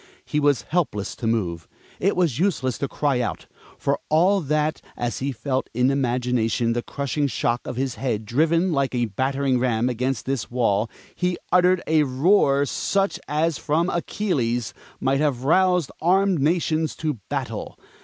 He was helpless to move; it was useless to cry out. For all that, as he felt in imagination the crushing shock of his head driven like a battering ram against this wall, he uttered a roar such as from Achilles might have roused armed nations to battle.